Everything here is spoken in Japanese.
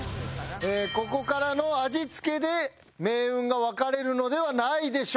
ここからの味付けで命運が分かれるのではないでしょうか。